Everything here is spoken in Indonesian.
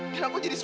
biar aku nyalain